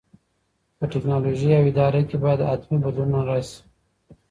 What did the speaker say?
په ټیکنالوژۍ او اداره کي باید حتمي بدلونونه راسي.